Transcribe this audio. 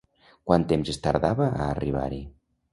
Quant temps es tardava a arribar-hi?